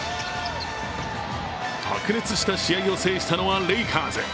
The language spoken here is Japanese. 白熱した試合を制したのはレイカーズ。